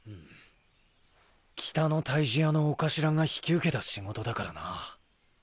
北の退治屋のお頭が引き受けた仕事だからな。